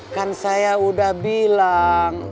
kan saya udah bilang